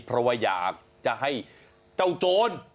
เพราะว่าอยากจะให้เจ้าโจร